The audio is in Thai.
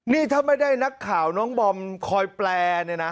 นี่ถ้าไม่ได้นักข่าวน้องบอมคอยแปลเนี่ยนะ